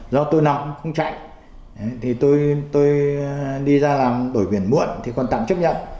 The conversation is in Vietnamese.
do tôi nào cũng không chạy thì tôi đi ra làm đổi biển muộn thì còn tạm chấp nhận